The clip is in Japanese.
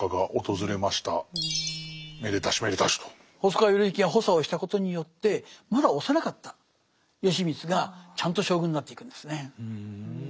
細川頼之が補佐をしたことによってまだ幼かった義満がちゃんと将軍になっていくんですね。